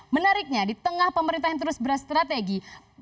menariknya di tengah pemerintah yang terus berstrategi